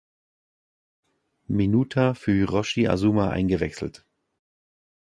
Minuta für Hiroshi Azuma eingewechselt.